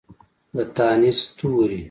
د تانیث توري